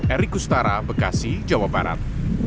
erik kustara bekasi jawa barat